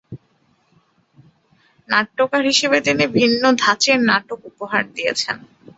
নাট্যকার হিসেবে তিনি ভিন্ন ধাঁচের নাটক উপহার দিয়েছেন।